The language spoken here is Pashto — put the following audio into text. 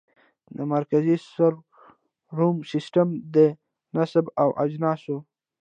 د مرکزي سرور روم سیسټم د نصب او اجناسو